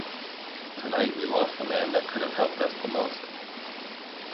Tonight we lost the man that could have helped us the most.